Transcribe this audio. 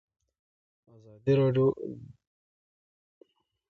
ازادي راډیو د د ښځو حقونه پر اړه مستند خپرونه چمتو کړې.